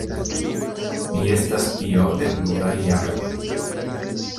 Mi estas tio de pluraj jaroj.